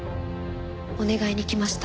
お願いに来ました。